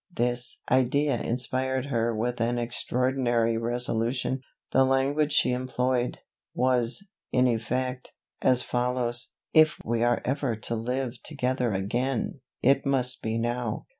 This idea inspired her with an extraordinary resolution. The language she employed, was, in effect, as follows: "If we are ever to live together again, it must be now.